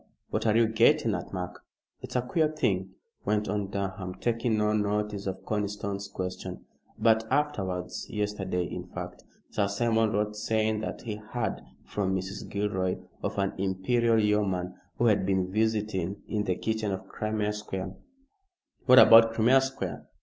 What are you getting at, Mark?" "It's a queer thing," went on Durham, taking no notice of Conniston's question, "but afterwards yesterday, in fact Sir Simon wrote saying that he heard from Mrs. Gilroy of an Imperial Yeoman who had been visiting in the kitchen of Crimea Square " "What about Crimea Square?"